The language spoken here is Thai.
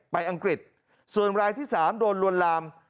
อังกฤษส่วนรายที่๓โดนลวนลาม